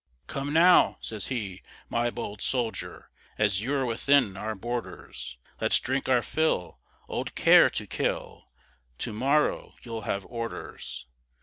"Come now," says he, "my bold soldier, As you're within our borders, Let's drink our fill, old care to kill, To morrow you'll have orders."